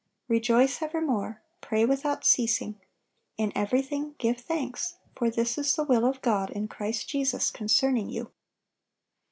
"Rejoice evermore. Pray without ceasing. In everything give thanks: for this is the will of God in Christ Jesus concerning you."